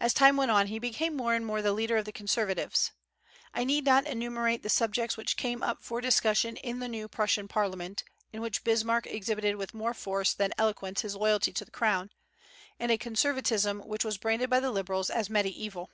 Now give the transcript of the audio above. As time went on he became more and more the leader of the conservatives. I need not enumerate the subjects which came up for discussion in the new Prussian parliament, in which Bismarck exhibited with more force than eloquence his loyalty to the crown, and a conservatism which was branded by the liberals as mediaeval.